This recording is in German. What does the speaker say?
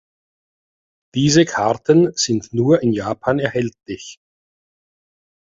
Diese Karten sind nur in Japan erhältlich.